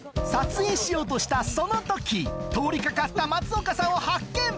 撮影しようとしたその時通り掛かった松岡さんを発見！